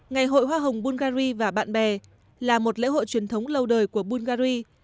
ngày hội hoa hồng bulgari và bạn bè là một lễ hội truyền thống lâu đời của bungary